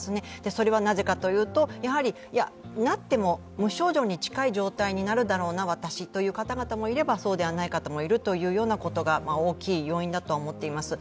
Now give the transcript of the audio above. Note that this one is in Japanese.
それはなぜかというと、やはりなっても無症状に近い状態になるだろうな私という方もいればそうではない方もいるということが大きい要因だと思っています。